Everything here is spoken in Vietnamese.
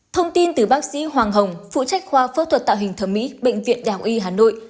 thông tin từ bác sĩ hoàng hồng phụ trách khoa phẫu thuật tạo hình thẩm mỹ bệnh viện đảng y hà nội